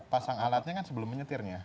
pasang alatnya kan sebelum menyetirnya